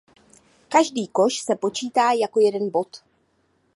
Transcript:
Každý koš se počítá jako jeden bod.